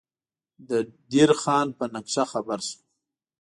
د دیر خان په نقشه خبر شو.